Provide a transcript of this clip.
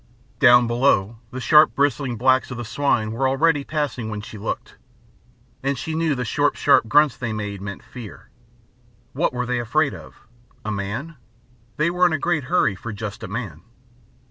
Down below the sharp bristling backs of the swine were already passing when she looked. And she knew the short, sharp grunts they made meant fear. What were they afraid of? A man? They were in a great hurry for just a man.